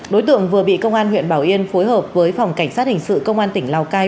đối tượng vừa bị công an huyện bảo yên phối hợp với phòng cảnh sát hình sự công an tỉnh lào cai